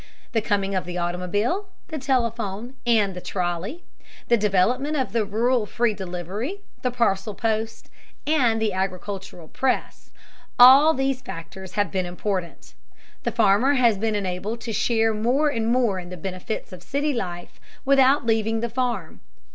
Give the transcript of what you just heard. The coming of the automobile, the telephone, and the trolley, the development of the rural free delivery, the parcel post, and the agricultural press, all these factors have been important. The farmer has been enabled to share more and more in the benefits of city life without leaving the farm.